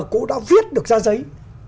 cô đã viết được ra giấy